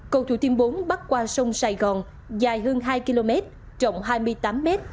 cầu thủ thiêm bốn bắt qua sông sài gòn dài hơn hai km trọng hai mươi tám mét